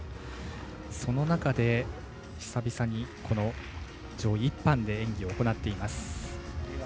その中で久々に上位１班で演技行っています。